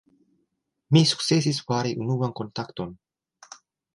Mi sukcesis fari unuan kontakton.